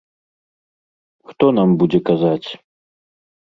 Хто нам будзе казаць?